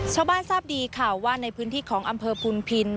ชาวบ้านทราบดีข่าวว่าในพื้นที่ของอำเภอพูลพินธุ์